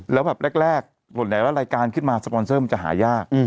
แล้วแบบแรกผลไหนว่ารายการขึ้นมาสปอนเซอร์มันจะหายาก